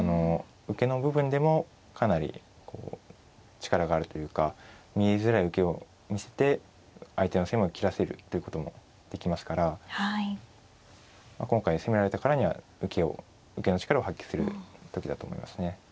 受けの部分でもかなり力があるというか見えづらい受けを見せて相手の攻めを切らせるということもできますから今回攻められたからには受けを受けの力を発揮する時だと思いますね。